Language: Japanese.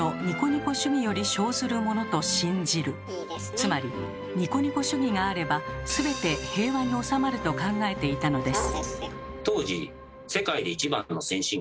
つまりニコニコ主義があればすべて平和に収まると考えていたのです。